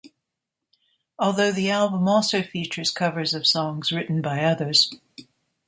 Although the album also features covers of songs written by others.